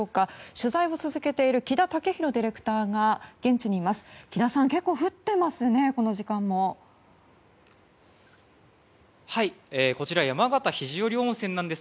取材を続けている木田丈博ディレクターが現地にいます。